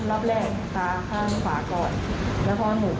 แล้วพอมองแล้วเขาแต่ก็คือมันไม่ทันได้มอง